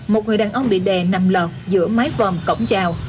một người đàn ông bị đè nằm lọt giữa mái vòm cổng chào